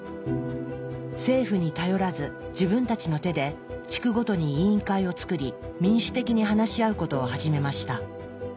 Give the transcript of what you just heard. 政府に頼らず自分たちの手で地区ごとに委員会を作り民主的に話し合うことを始めました。